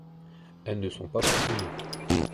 Elles ne sont pas parfumées.